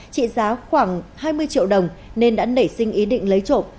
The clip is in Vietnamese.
trị giá khoảng hai mươi triệu đồng nên đã nảy sinh ý định lấy trộm